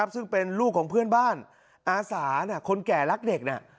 ซึ่งเป็นลูกของเพื่อนบ้านอาสาคนแก่รักเด็ก